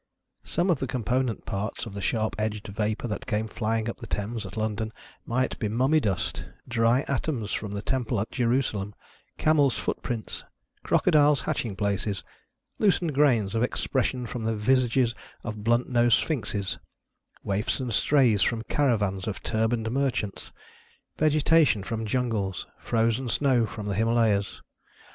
Some of the component parts of the sharp edged vapour that came flying up the Thames at London might be mummy dust, dry atoms from the Temple at Jerusalem, camels' foot prints, crocodiles' hatching places, loosened grains of expression from the visages of blunt nosed sphynxes, waifs and strays from caravans of turbaned merchants, vegetation from jungles, frozen snow from the Himalayas.